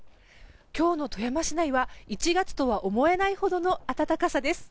今日の富山市内は１月とは思えないほどの暖かさです。